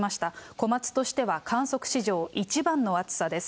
小松としては観測史上一番の暑さです。